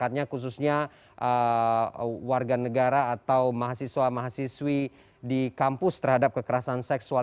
khususnya warga negara atau mahasiswa mahasiswi di kampus terhadap kekerasan seksual